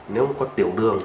nếu mà có tiểu đường